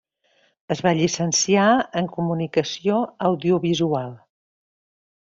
Es va llicenciar en Comunicació Audiovisual.